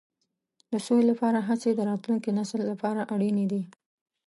د سولې لپاره هڅې د راتلونکي نسل لپاره اړینې دي.